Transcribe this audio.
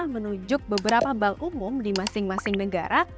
menunjuk beberapa bank umum di masing masing negara